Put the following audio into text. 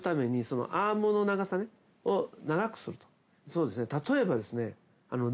そうですね例えばですね。